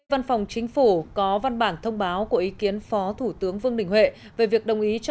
văn phòng chính phủ có văn bản thông báo của ý kiến phó thủ tướng vương đình huệ về việc đồng ý cho